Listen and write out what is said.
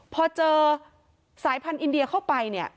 พอเจอสายพันธุ์อินเดียเข้าไปเนี่ย